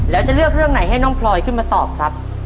แล้วจะเลือกเรื่องไหนให้น้องพลอยขึ้นมาตอบครับ